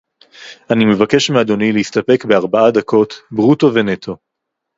אני מבקש מאדוני להסתפק בארבע דקות ברוטו ונטו